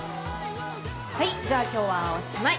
はいじゃあ今日はおしまい。